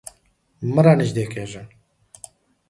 مه رانږدې کیږه